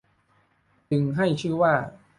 จึงให้ชื่อว่า